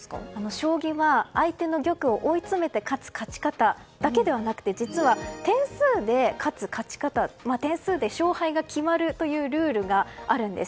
将棋は、相手の玉を追い詰めて勝つ勝ち方だけではなくて実は、点数で勝つ勝ち方点数で勝敗が決まるというルールがあるんです。